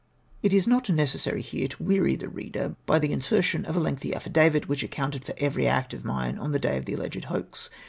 It is not necessary here to weary the reader by the insertion of a lengthy affidavit, which accomited for every act of mine on the day of the alleged hoax.